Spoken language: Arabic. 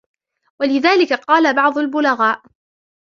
وَلِذَلِكَ قَالَ بَعْضُ الْبُلَغَاءِ